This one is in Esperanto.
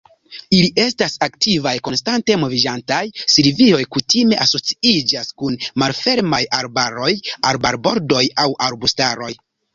Ili estas aktivaj, konstante moviĝantaj; silvioj kutime asociiĝas kun malfermaj arbaroj, arbarbordoj aŭ arbustaroj.